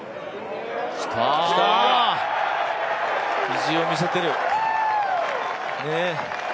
意地を見せてる。